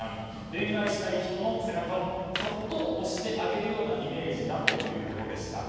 恋愛したい人の背中をそっと押してあげるようなイメージだということでした。